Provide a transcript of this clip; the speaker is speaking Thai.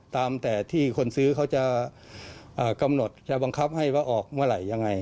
ตามแต่ที่คนซื้อเขาจะกำหนดจะบังคับให้ว่าออกเมื่อไหร่ยังไง